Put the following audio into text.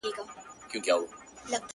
خو گراني ستا د خولې شعرونه هېرولاى نه سـم ـ